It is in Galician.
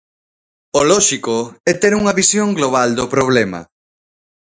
O lóxico é ter unha visión global do problema.